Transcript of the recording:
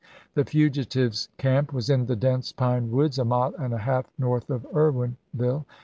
The fugitives' camp was in the dense pine woods a mile and a half north of Irwinville.